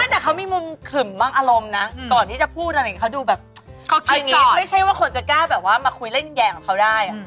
แต่เขามีมุมขลึ่มบ้างอารมณ์นะก่อนที่จะพูดอันนี้เขาดูแบบไม่ใช่ว่าคนจะกล้าแบบว่ามาคุยเล่นแย่งกับเขาได้